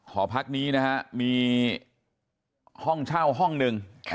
ห่อพักนี้นะครับมีห้องเช่าห้องนึง